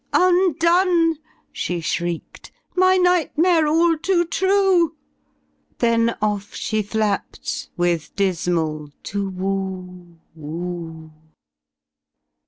^''Undone,*' she shrieked, ^^my nightmare all too trueV* Then off she flapped, with dismal ^^tu whoo whoo.''